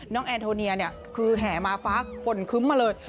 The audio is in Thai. แอนโทเนียเนี่ยคือแห่มาฟ้าฝนคึ้มมาเลย